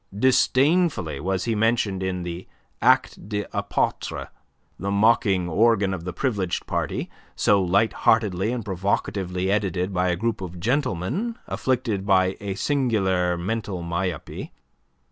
Disdainfully was he mentioned in the "Actes des Apotres," the mocking organ of the Privileged party, so light heartedly and provocatively edited by a group of gentlemen afflicted by a singular mental myopy.